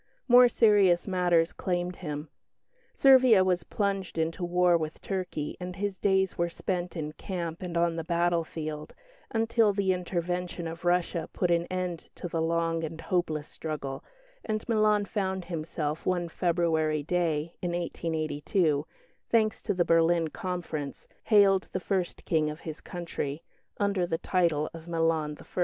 More serious matters claimed him. Servia was plunged into war with Turkey, and his days were spent in camp and on the battlefield, until the intervention of Russia put an end to the long and hopeless struggle, and Milan found himself one February day in 1882, thanks to the Berlin Conference, hailed the first King of his country, under the title of Milan I.